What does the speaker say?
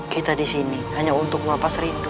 kita di sini hanya untuk melepas rindu